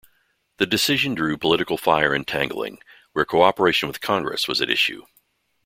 The decision drew political fire and tangling, where cooperation with Congress was at issue.